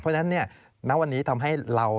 เพราะฉะนั้นณวันนี้ทำให้เรา